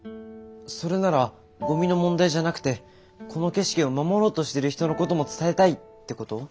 それならゴミの問題じゃなくてこの景色を守ろうとしてる人のことも伝えたい！ってこと？